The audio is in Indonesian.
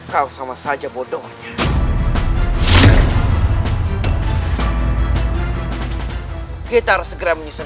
kau sama saja bodohnya